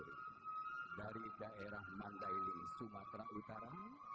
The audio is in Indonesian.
dari daerah mandailing sumatera utara